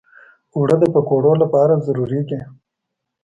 اوړه د پکوړو لپاره ضروري دي